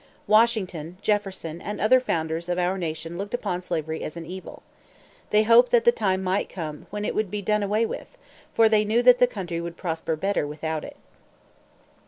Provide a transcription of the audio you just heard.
Washington, Jefferson, and other founders of our nation looked upon slavery as an evil. They hoped that the time might come when it would be done away with; for they knew that the country would prosper better without it.